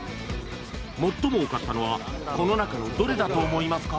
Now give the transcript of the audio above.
最も多かったのはこの中のどれだと思いますか？